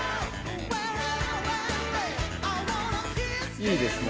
いいですね。